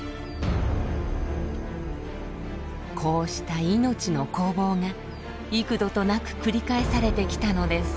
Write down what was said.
こうした命の攻防が幾度となく繰り返されてきたのです。